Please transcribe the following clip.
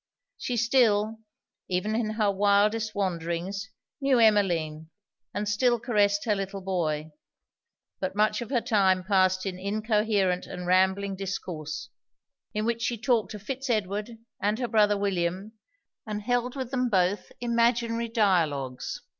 She still, even in her wildest wanderings, knew Emmeline, and still caressed her little boy; but much of her time passed in incoherent and rambling discourse; in which she talked of Fitz Edward and her brother William, and held with them both imaginary dialogues.